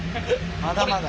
まだまだ。